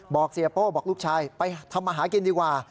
เสียโป้บอกลูกชายไปทำมาหากินดีกว่า